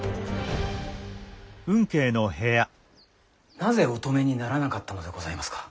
なぜお止めにならなかったのでございますか？